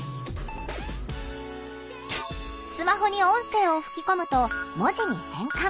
スマホに音声を吹き込むと文字に変換。